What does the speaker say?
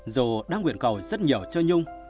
dù đang nguyện cầu rất nhiều cho nhung